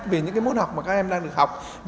vì những môn học mà các em đang được học